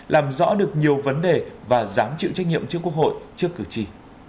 làm rõ được nhiều vấn đề và dám chịu trách nhiệm trước quốc hội trước cử tri